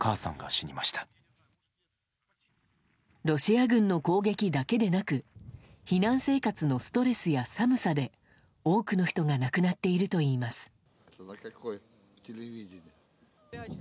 ロシア軍の攻撃だけでなく避難生活のストレスや寒さで多くの人が亡くなっているといいます。